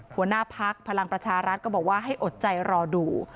หัวหน้าพักพลังประชารัฐก็บอกว่าให้อดใจรอดู